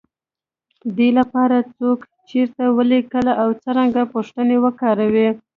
دې لپاره، څوک، چېرته، ولې، کله او څرنګه پوښتنې وکاروئ.